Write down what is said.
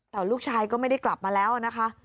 แต่ลูกชายก็ไม่ได้กลับมาแล้วนะคะ